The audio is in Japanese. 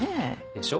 でしょ？